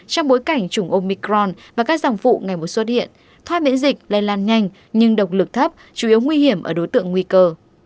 trong bối cảnh chủng omicron và các dòng phụ ngày một xuất hiện thoa miễn dịch lây lan nhanh nhưng độc lực thấp chủ yếu nguy hiểm ở đối tượng nguy cơ